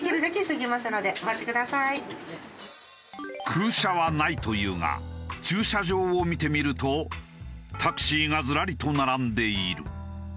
「空車はない」と言うが駐車場を見てみるとタクシーがずらりと並んでいる。